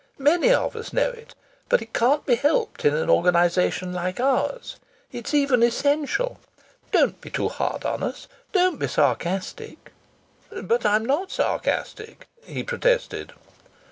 Many of us know it. But it can't be helped in an organization like ours. It's even essential. Don't be too hard on us. Don't be sarcastic." "But I'm not sarcastic!" he protested.